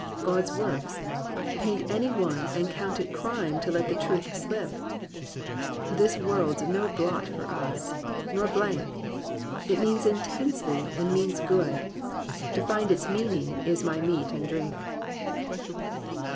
God's works — paint any one and count it crime To let a truth slip. ... This world's no blot for us. Nor blank; it means intensely and means good: To find its meaning is my meat and drink.'